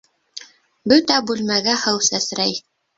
Бөтә бүлмәгә һыу сәсрәй.